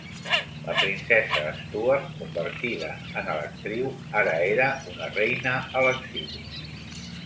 La princesa Stuart, convertida en electriu, ara era una reina a l'exili.